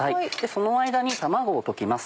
その間に卵を溶きます。